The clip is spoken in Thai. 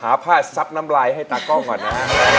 ผ้าซับน้ำลายให้ตากล้องก่อนนะ